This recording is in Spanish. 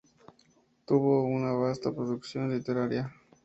Tuvo una vasta producción literaria.